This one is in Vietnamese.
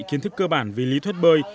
kiến thức cơ bản về lý thuyết bơi